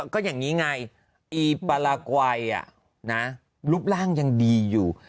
ก็อย่างนี้ไงอีปลารากวัยรูปร่างยังดีอยู่